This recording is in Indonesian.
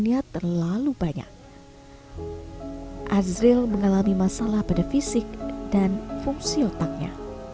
punya terlalu banyak azril mengalami masalah pada fisik dan fungsi otaknya